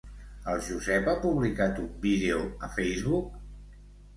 El Josep ha publicat un vídeo a Facebook?